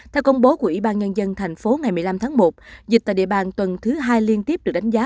theo công bố của ủy ban nhân dân thành phố ngày một mươi năm tháng một dịch tại địa bàn tuần thứ hai liên tiếp được đánh giá